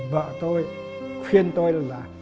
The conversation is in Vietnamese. vợ tôi khuyên tôi là